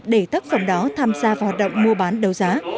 để tác phẩm đó tham gia vào hoạt động mua bán đấu giá